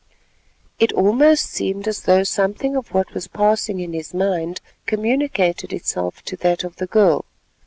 It almost seemed as though something of what was passing in his mind communicated itself to that of the girl.